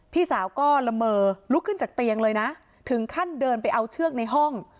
พี่สาวก็ละเมอลุกขึ้นจากเตียงเลยนะถึงขั้นเดินไปเอาเชือกในห้อง